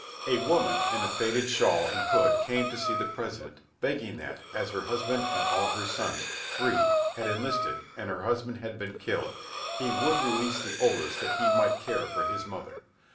A woman in a faded shawl and hood came to see the President, begging that, as her husband and all her sons three had enlisted, and her husband had been killed, he would release the oldest, that he might care for his mother.